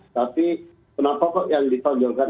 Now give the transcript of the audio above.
tapi kenapa kok yang ditonjolkan